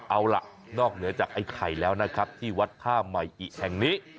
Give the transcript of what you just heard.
เอาล่ะนอกเหนือจากไอ้ไข่แล้วนะครับที่วัดท่าใหม่อิแห่งนี้